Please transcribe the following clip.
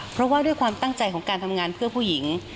เพราะว่าด้วยความตั้งใจของการทำงานเพื่อผู้หญิง